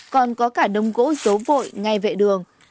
còn có cả đông gỗ giấu vội ngay vệ đường